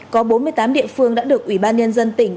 có bốn mươi tám địa phương đã được ủy ban nhân dân tỉnh